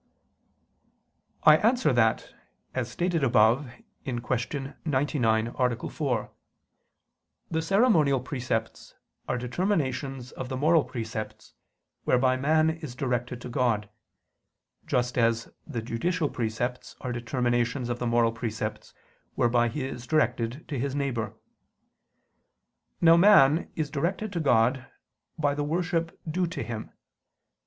I answer that, As stated above (Q. 99, A. 4), the ceremonial precepts are determinations of the moral precepts whereby man is directed to God, just as the judicial precepts are determinations of the moral precepts whereby he is directed to his neighbor. Now man is directed to God by the worship due to Him.